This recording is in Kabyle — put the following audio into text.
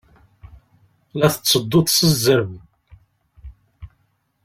La tettedduḍ s zzerb.